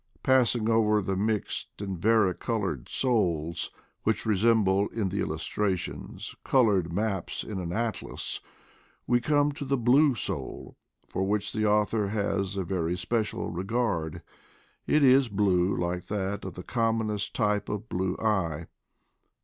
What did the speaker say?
Passing over the mixed and vari colored souls, which resemble, in the illustrations, colored maps in an atlas, we come to the blue soul, for which the author has a very special regard. Its blue is like that of the commonest type of blue eye.